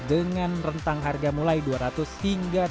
dengan rentang harga mulai dua ratus hingga tiga ratus dolar